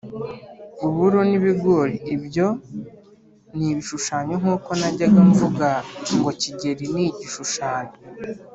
uburo n'ibigori, ibyo ni ibishushanyo nkuko najyaga mvuga ngo kigeli ni igishushanyo